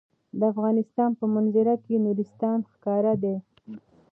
د افغانستان په منظره کې نورستان ښکاره ده.